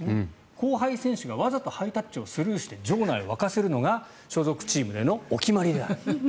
後輩選手がわざとハイタッチをスルーして場内を沸かせるのが所属チームでのお決まりである。